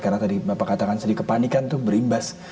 karena tadi bapak katakan sedikit kepanikan itu berimbas